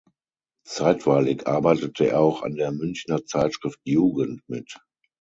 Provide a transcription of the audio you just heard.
Zeitweilig arbeitete er auch an der Münchner Zeitschrift „Jugend“ mit.